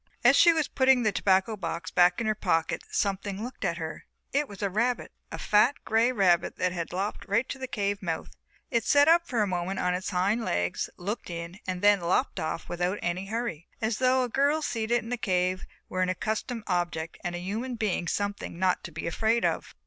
As she was putting the tobacco box back in her pocket something looked in at her. It was a rabbit, a grey fat rabbit that had lopped right to the cave mouth; it sat up for a moment on its hind legs, looked in, and then lopped off without any hurry, as though a girl seated in a cave were an accustomed object and a human being something not to be afraid of.